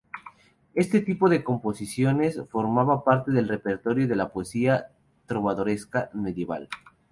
Este tipo de composiciones formaban parte del repertorio de la poesía trovadoresca medieval.